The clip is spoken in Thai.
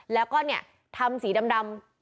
แล้วก็เนี่ยทำสีดำ